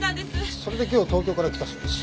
それで今日東京から来たそうです。